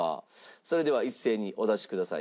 それでは一斉にお出しください。